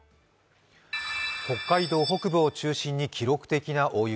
北海道北部を中心に記録的な大雪。